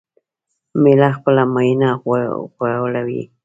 مېړه خپله ماينه غوولې ده